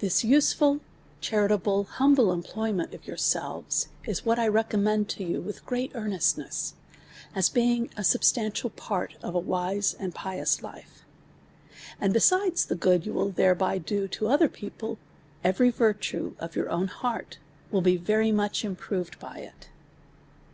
This useful, charitable, humble employment of yourselves, is what I recommend to you with great earnestness, as being a substantial part of a wise and pious life. And besides the good you will thereby do to other people, every virtue of your own heart will be very much improved by it.